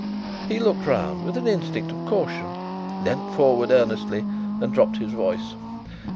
He looked round with an instinct of caution, leaned forward earnestly, and dropped his voice.